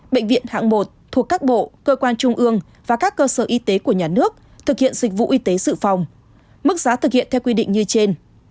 bệnh viện hạng một thuộc các bộ cơ quan trung ương và các cơ sở y tế của nhà nước thực hiện dịch vụ y tế dự phòng mức giá thực hiện theo quy định như trên